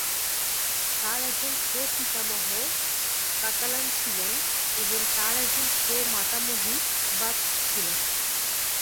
তার একজন প্র-প্রিতামহ কাতালান ছিলেন এবং তার একজন প্র-মাতামহী বাস্ক ছিলেন।